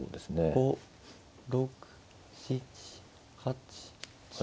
５６７８９。